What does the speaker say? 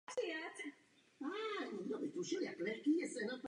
Řecko je kolébkou evropské kultury.